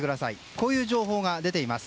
こういう情報が出ています。